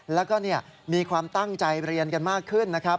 แล้วก็มีความตั้งใจเรียนกันมากขึ้นนะครับ